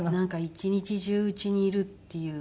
一日中うちにいるっていう。